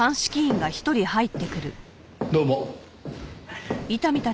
どうも。